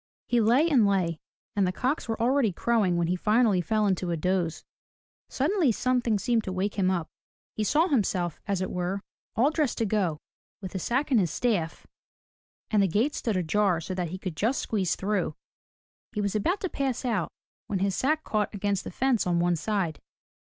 He lay and lay and the cocks were already crowing when he finally fell into a doze. Suddenly something seemed to wake him up. He saw himself, as it were, all dressed to go, with his i6o FROM THE TOWER WINDOW sack and his staff; and the gate stood ajar so that he could just squeeze through. He was about to pass out when his sack caught against the fence on one side.